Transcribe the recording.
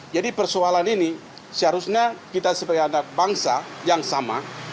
jadi persoalan ini seharusnya kita sebagai anak bangsa yang sama